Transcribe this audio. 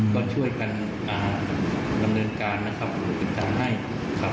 ก็ช่วยกันดำเนินการนะครับหรือปริศนาให้ครับ